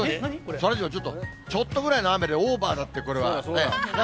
そらジロー、ちょっと、ちょっとぐらいの雨でオーバーだって、これは。何？